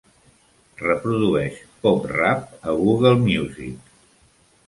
Reprodueix pop-rap a Google Music.